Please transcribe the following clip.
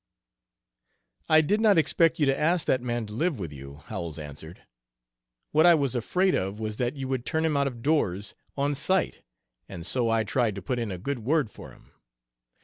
"I did not expect you to ask that man to live with you," Howells answered. "What I was afraid of was that you would turn him out of doors, on sight, and so I tried to put in a good word for him.